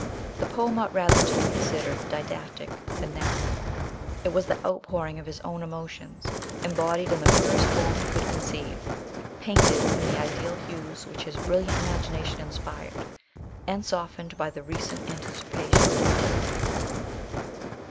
The poem ought rather to be considered didactic than narrative ; it was the outpouring of his own emotions, embodied in the purest form he could conceive, painted in the ideal hues which his brilliant imagination inspired, and softened by the recent anticipation of death.